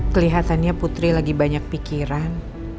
kelihatannya putri lagi banyak pikiran